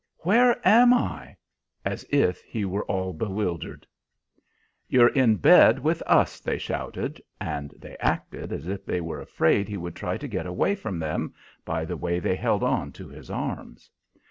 where am I?" as if he were all bewildered. "You're in bed with us!" they shouted; and they acted as if they were afraid he would try to get away from them by the way they held on to his arms.